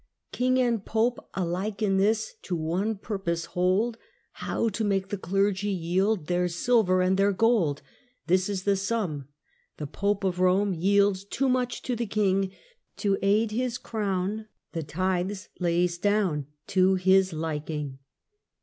King and pope, alike in this, to one purpose hold. How to make the clergy yield their silver and their gold. This is the sum. The Pope of Rpme Yields too much to the king; To aid his crown, the tithes lays down To his liking.